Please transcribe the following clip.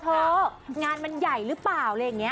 งานมันใหญ่หรือเปล่าอะไรอย่างนี้